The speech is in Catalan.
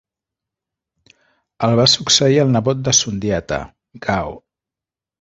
El va succeir el nebot de Sundiata, Gao.